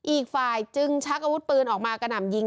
อีกฝ่ายจึงชักอาวุธปืนออกมากระหน่ำยิง